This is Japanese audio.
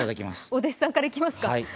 お弟子さんからいきますか？